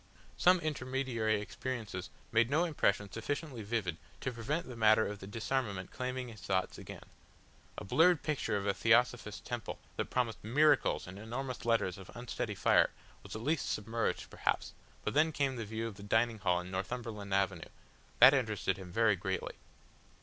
Some intermediary experiences made no impression sufficiently vivid to prevent the matter of the disarmament claiming his thoughts again; a blurred picture of a Theosophist temple that promised MIRACLES in enormous letters of unsteady fire was least submerged perhaps, but then came the view of the dining hall in Northumberland Avenue. That interested him very greatly.